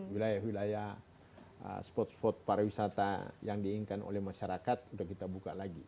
wilayah wilayah spot spot para wisata yang diinginkan oleh masyarakat udah kita buka lagi